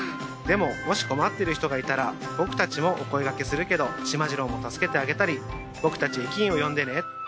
でももし困ってる人がいたら僕たちもお声がけするけどしまじろうも助けてあげたり僕たち駅員を呼んでね。